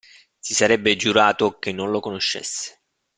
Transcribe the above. Si sarebbe giurato che non lo conoscesse.